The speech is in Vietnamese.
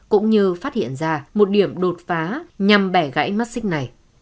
cũng như phát hiện ra một điểm đột phá nhằm bẻ gãy mắt xích này